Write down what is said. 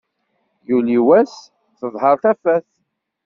Yuli wass teḍher tafat.